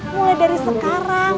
mulai dari sekarang